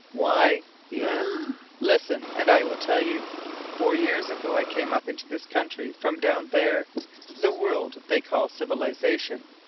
"Why?" he asked. "Listen, and I will tell you. Four years ago I came up into this country from down there the world they call Civilization.